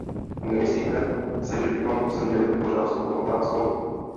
Nemyslíte se, že bychom se měli vypořádat s touto otázkou?